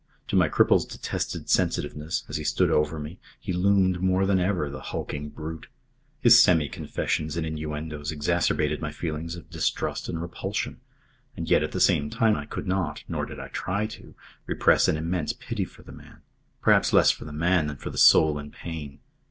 To my cripple's detested sensitiveness, as he stood over me, he loomed more than ever the hulking brute. His semi confessions and innuendoes exacerbated my feelings of distrust and repulsion. And yet, at the same tune, I could not nor did I try to repress an immense pity for the man; perhaps less for the man than for the soul in pain.